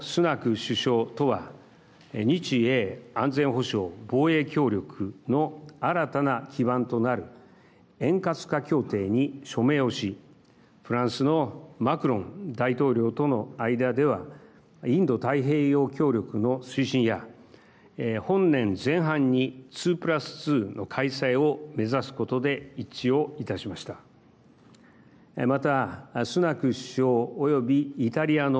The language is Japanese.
首相とは日英安全保障防衛協力の新たな基盤となる円滑化協定に署名をしフランスのマクロン大統領との間ではインド太平洋協力の推進や本年前半に２プラス２の開催を目指すことで一致をいたしました。